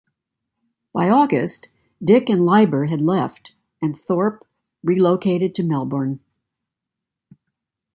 By August, Dick and Liber had left, and Thorpe relocated to Melbourne.